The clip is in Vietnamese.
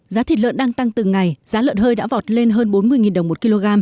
giá thịt lợn đang tăng từng ngày giá lợn hơi đã vọt lên hơn bốn mươi đồng một kg